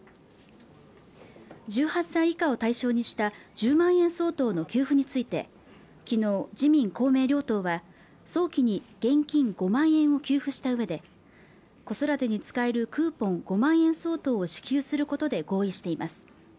１８歳以下を対象にした１０万円相当の給付についてきのう自民公明両党は早期に現金５万円を給付した上で子育てに使えるクーポン５万円相当を支給することで合意しています